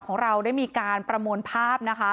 ของเราได้มีการประมวลภาพนะคะ